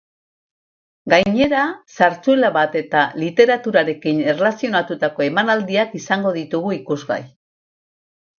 Gainera, zarzuela bat eta literaturarekin erlazionatutako emanaldiak izango ditugu ikusgai.